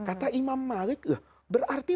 kata imam malik berarti